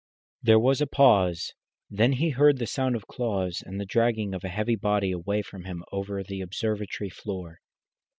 There was a pause; then he heard the sound of claws; and the dragging of a heavy body away from him over the observatory floor.